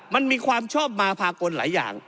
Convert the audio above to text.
มันมีความชอบมาพากลหลายอย่าง